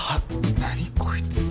何こいつ。